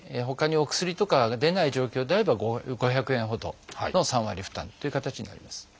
ほかにお薬とかが出ない状況であれば５００円ほど３割負担という形になります。